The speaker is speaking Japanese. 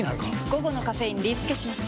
午後のカフェインリスケします！